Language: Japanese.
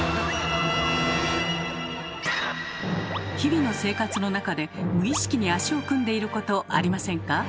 日々の生活の中で無意識に足を組んでいることありませんか？